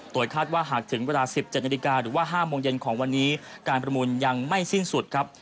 โดยคาดว่าหากถึงเวลา๑๗นาฬิกาหรือว่า๕โมงเย็นของวันนี้การประมูลยังไม่สิ้นสุดครับ